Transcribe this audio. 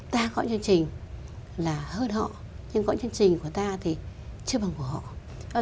ta có những chương trình là hơn họ nhưng có những chương trình của ta thì chưa bằng của họ